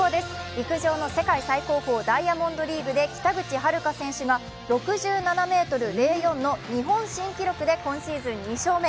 陸上の世界最高峰ダイヤモンドリーグで北口榛花選手が日本新記録で今シーズン２勝目。